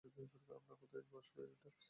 আমরা কোথায় বসব, ক্যাট?